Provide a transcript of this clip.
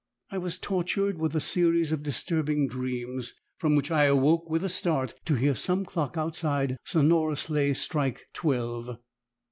I was tortured with a series of disturbing dreams, from which I awoke with a start to hear some clock outside sonorously strike twelve.